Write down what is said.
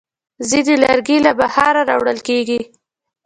ځینې لرګي له بهره راوړل کېږي.